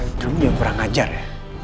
paling kurang dia kurang ajar ya